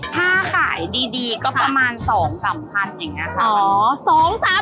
ถ้าขายดีก็ประมาณ๒๓พันอย่างนี้ค่ะ